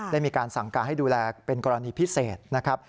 ได้มีการสั่งการให้ดูแลเป็นกรณีพิเศษนะครับ